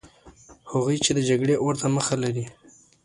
هغوی چې د جګړې اور ته مخه لري.